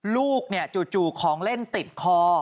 ลูกเนี่ยจู่ของเล่นติดคอ